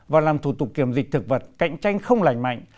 và làm thủ tục kiểm dịch thực vật cạnh tranh không lành mạnh